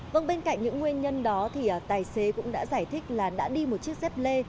vâng bên cạnh những nguyên nhân đó thì tài xế cũng đã giải thích là đã đi một chiếc dép lê